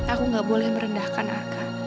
aku gak boleh merendahkan arka